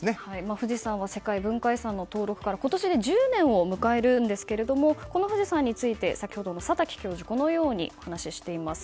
富士山は世界文化遺産登録から今年で１０年を迎えるんですがこの富士山について先ほどの佐滝教授はこのようにお話ししています。